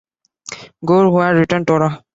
Gore, who had written Tora!